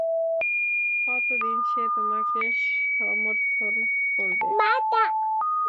কতদিন সে তোমাকে সমর্থন করবে?